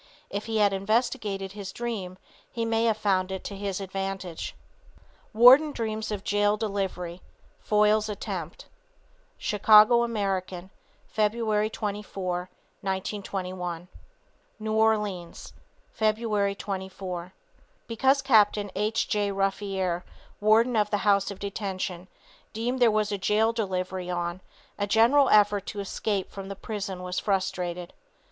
If he had investigated his dream he may have found it to his advantage. WARDEN DREAMS OF JAIL DELIVERY FOILS ATTEMPT. Chicago American, February 24, 1921. New Orleans, Feb. 24. Because Capt. H.J. Ruffier, warden of the House of Detention, dreamed there was a jail delivery on, a general effort to escape from the prison was frustrated.